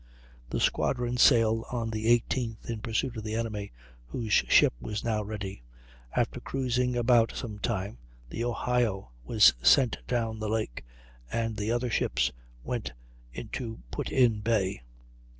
The squadron sailed on the 18th in pursuit of the enemy, whose ship was now ready. After cruising about some time the Ohio was sent down the lake, and the other ships went into Put in Bay.